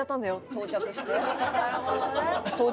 到着して。